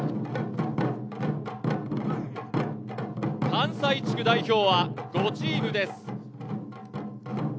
関西地区代表は５チームです。